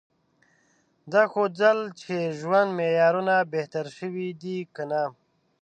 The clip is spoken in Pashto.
دا ښودل چې ژوند معیارونه بهتر شوي دي که نه؟